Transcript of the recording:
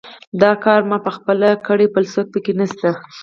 دا کار ما پخپله کړی، بل څوک پکې نشته.